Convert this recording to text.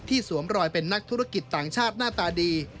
สวมรอยเป็นนักธุรกิจต่างชาติหน้าตาดี